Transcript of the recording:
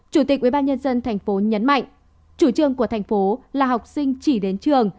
chủ tịch ubnd tp nhấn mạnh chủ trương của thành phố là học sinh chỉ đến trường